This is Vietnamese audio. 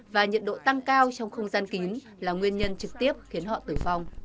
và nhiệt độ tăng cao trong không gian kín là nguyên nhân trực tiếp khiến họ tử vong